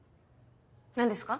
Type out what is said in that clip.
何ですか？